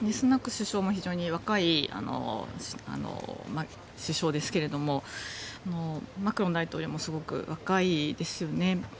首相も非常に若い首相ですけどもマクロン大統領もすごく若いですよね。